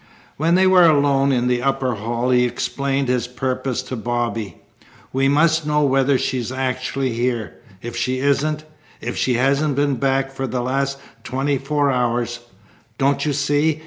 When they were alone in the upper hall he explained his purpose to Bobby. "We must know whether she's actually here. If she isn't, if she hasn't been back for the last twenty four hours don't you see?